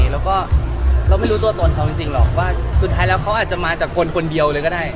แล้วก็เราไม่รู้ตัวตนเขาจริงหรอกว่าสุดท้ายแล้วเขาอาจจะมาจากคนคนเดียวเลยก็ได้